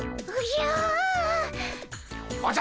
おじゃ。